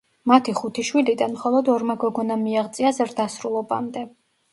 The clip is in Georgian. მათი ხუთი შვილიდან, მხოლოდ ორმა გოგონამ მიაღწია ზრდასრულობამდე.